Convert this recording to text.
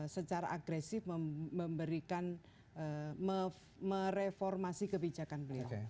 secara agresif memberikan mereformasi kebijakan beliau